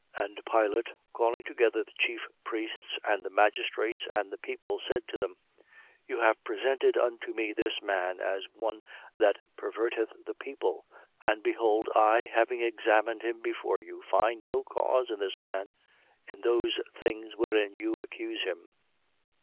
23:13. And Pilate, calling together the chief priests and the magistrates and the people, 23:14. Said to them: You have presented unto me this man as one that perverteth the people. And behold I, having examined him before you, find no cause in this man, in those things wherein you accuse him.